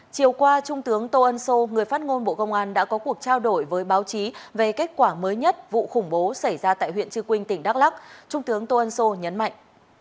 chiều qua trung tướng tô ân sô người phát ngôn bộ công an đã có cuộc trao đổi với báo chí về kết quả mới nhất vụ khủng bố xảy ra tại huyện trư quynh tỉnh đắk lắc trung tướng tô ân sô nhấn mạnh